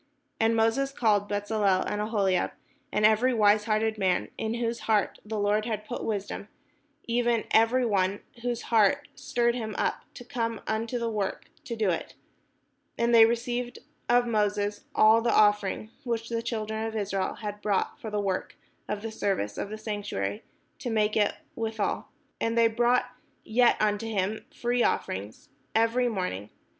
And Moses called Bezaleel and Aho liab, and every wise hearted man, in whose heart the Lord had put wisdom, even every one whose heart stirred 542 THE JOURNEY TO THE PROMISED LAND him up to come unto the work to do it: and they re ceived of Moses all the offering, which the children of Israel had brought for the work of the service of the sanctuary, to make it withal. And they brought yet unto him free offerings every morning.